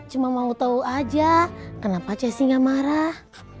cuma mau tahu aja kenapa jessy nggak marah